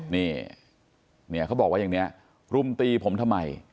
นี่เขาบอกว่าอย่างนี้รุมตีผมทำไม